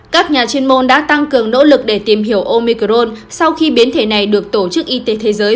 các nhà chuyên môn đã tăng cường nỗ lực để tìm hiểu omicrone sau khi biến thể này được tổ chức y tế thế giới